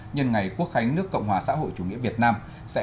nhân ngày quốc khánh nước cộng hòa xã hội chủ nghĩa việt nam